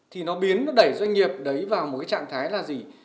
thì nó biến nó đẩy doanh nghiệp đấy vào một cái trạng thái là gì